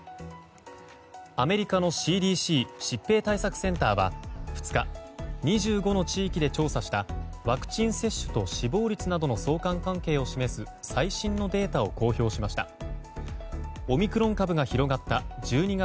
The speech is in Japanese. アメリカのＣＤＣ・疾病対策センターは２日、２５の地域で調査したワクチン接種と死亡率などの相関関係を示す最新のデータを公表しました。